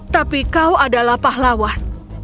tapi kau adalah pahlawan